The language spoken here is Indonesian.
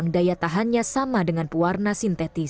daya tahannya sama dengan pewarna sintetis